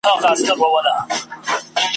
ښه ویلي دي سعدي په ګلستان کي !.